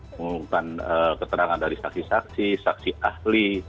mengumumkan keterangan dari saksi saksi ahli